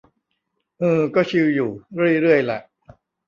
อือ ก็ชิลอยู่ เรื่อยเรื่อยแหละ